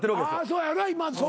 そうやろな。